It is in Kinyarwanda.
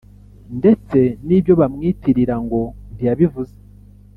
ndetse n’ibyo bamwitirira ngo ntiyabivuze